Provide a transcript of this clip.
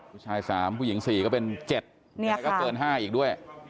ผู้ชาย๓ผู้หญิง๔ก็เป็น๗แล้วก็เกิน๕อีกด้วย